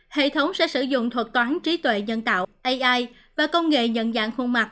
hệ thống sẽ sử dụng thuật toán trí tuệ nhân tạo ai và công nghệ nhận dạng khuôn mặt